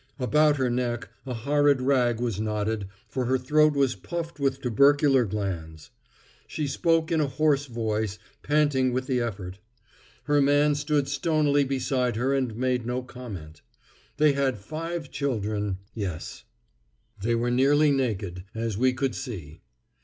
About her neck a horrid rag was knotted, for her throat was puffed with tubercular glands. She spoke in a hoarse voice, panting with the effort. Her man stood stonily beside her and made no comment. They had five children, yes. They were nearly naked, as we could see.